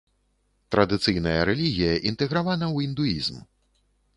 Традыцыйная рэлігія інтэгравана ў індуізм.